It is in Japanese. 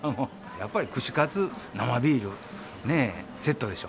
やっぱり串カツ、生ビールね、セットでしょ。